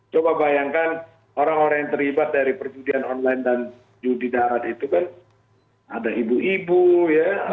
coba bayangkan orang orang yang terlibat dari perjudian online dan judi darat itu kan ada ibu ibu ya